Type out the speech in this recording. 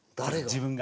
自分が。